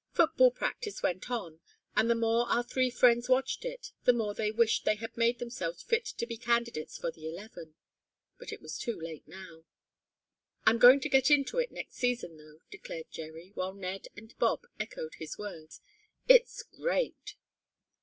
Football practice went on, and the more our three friends watched it, the more they wished they had made themselves fit to be candidates for the eleven. But it was too late now. "I'm going to get into it next season though!" declared Jerry, while Ned and Bob echoed his words. "It's great!"